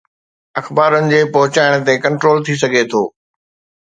اخبارن جي پهچائڻ تي ڪنٽرول ٿي سگهي ٿو.